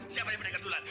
siapa yang menikah duluan